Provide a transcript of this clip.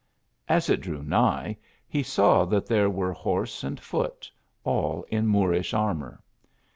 As it drew nigh, he saw that there were horse and foot, all in Moorish armour.